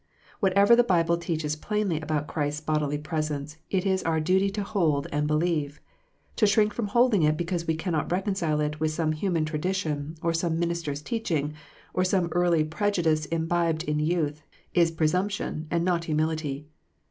Whatever the Bible teaches plainly about Christ s bodily presence, it is our duty to hold and believe. To shrink from holding it because we cannot reconcile it with some human tradition, some minister s teaching, or some early prejudice imbibed in youth, is presumption, and not humility.